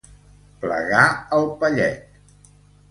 Plegar el pallet.